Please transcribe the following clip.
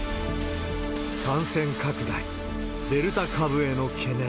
感染拡大、デルタ株への懸念。